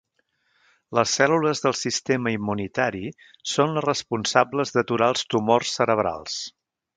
Les cèl·lules del sistema immunitari són les responsables d'aturar els tumors cerebrals